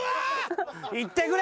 いってくれ！